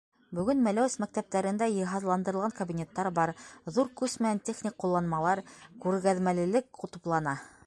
Бөгөн Мәләүез мәктәптәрендә йыһазландырылған кабинеттар бар, ҙур көс менән техник ҡулланмалар, күргәҙмәлелек туплана.